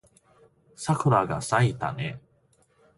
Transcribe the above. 桜が咲いたね